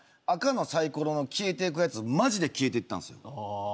赤のサイコロの消えていくやつマジで消えてったんですよ。